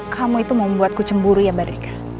kamu itu mau membuatku cemburu ya mbak rika